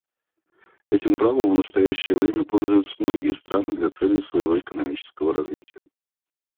Этим правом в настоящее время пользуются многие страны для целей своего экономического развития.